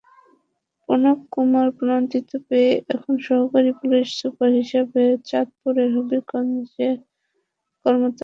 প্রণব কুমার পদোন্নতি পেয়ে এখন সহকারী পুলিশ সুপার হিসেবে চাঁদপুরের হাজীগঞ্জে কর্মরত আছেন।